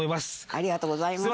ありがとうございます。